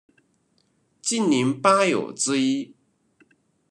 竟陵八友之一。